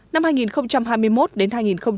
năm hai nghìn hai mươi một đến hai nghìn hai mươi năm